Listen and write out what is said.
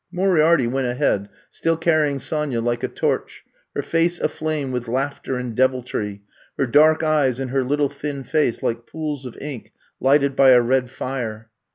Moriarity went ahead, still carrying Sonya like a torch, her face afiame with laughter and deviltry, her dark eyes in her little thin face like pools of ink lighted by a red fire.